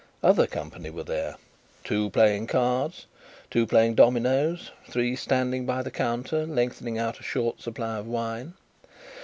Other company were there: two playing cards, two playing dominoes, three standing by the counter lengthening out a short supply of wine.